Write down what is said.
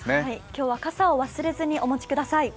今日は傘を忘れずにお持ちください。